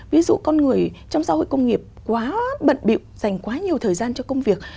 ví dụ con người trong xã hội công nghiệp quá bận bịu dành quá nhiều thời gian cho công việc